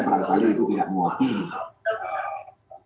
pada saya itu tidak mewakili